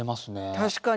確かに。